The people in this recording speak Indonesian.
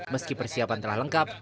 meski persiapan telah lengkap